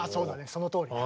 そのとおりだ。